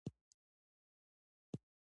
ایا درد بل ځای ته خپریږي؟